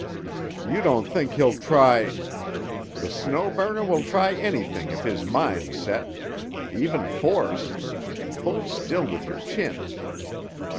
"You don't think he'll try——" "The Snow Burner will try anything if his mind's set. Even force.—Hold still wi' your chin.